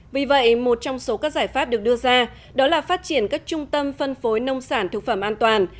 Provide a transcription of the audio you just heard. vì vậy một trong số các giải pháp được đưa ra đó là phát triển các trung tâm phân phối nông sản thực phẩm an toàn